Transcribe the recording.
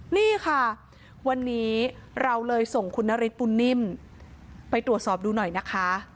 นี่ค่ะวันนี้เราเลยส่งคุณนฤทธบุญนิ่มไปตรวจสอบดูหน่อยนะคะ